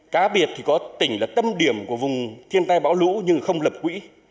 cá biệt thì có tỉnh là tâm điểm của vùng thiên tai bão lũ nhưng không lập quỹ